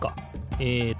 えっと